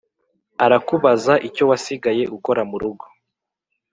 Arakubaza icyowasigaye ukora murugo